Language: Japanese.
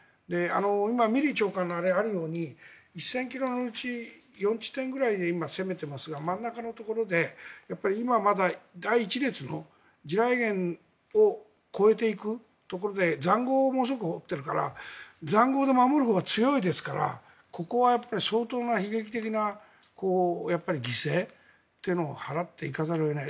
今、ミリー長官のあれがあるように１０００ｋｍのうち４地点くらいを攻めていますが真ん中のところで今はまだ第１列の地雷原を越えていくところで塹壕を掘っているから塹壕で守るほうが強いですからここは相当な悲劇的な犠牲っていうのを払っていかざるを得ない。